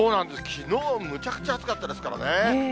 きのう、むちゃくちゃ暑かったですからね。